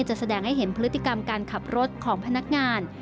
แสดงให้เห็นพฤติกรรมการขับรถของพนักงาน